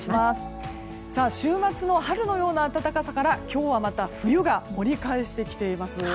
週末の春のような暖かさから今日はまた冬が盛り返してきています。